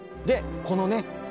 でこのね